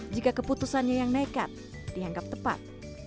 jika keputusannya yang nekat dianggap tepat